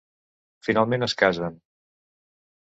Finalment es casen.